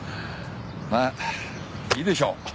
まあいいでしょう！